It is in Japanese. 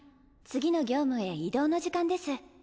次の業務へ移動の時間です。